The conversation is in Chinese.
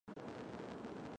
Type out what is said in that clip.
促进有关部门依法办事